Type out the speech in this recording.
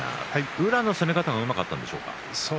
宇良の攻め方がうまかったんでしょうか。